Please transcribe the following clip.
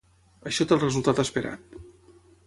Això té el resultat esperat.